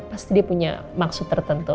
pasti dia punya maksud tertentu